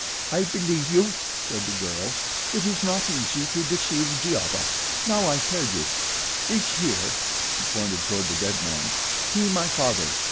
"I believe you," said the girl. "It is not easy to deceive Giova. Now I tell you. This here," she pointed toward the dead man, "he my father.